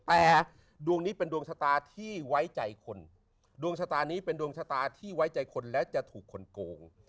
แต่ดวงนี้เป็นดวงชะตาที่ไว้ใจคนดวงชะตานี้เป็นดวงชะตาที่ไว้ใจคนแล้วจะถูกคนโกง